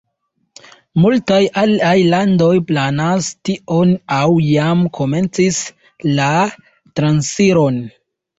Multaj aliaj landoj planas tion aŭ jam komencis la transiron.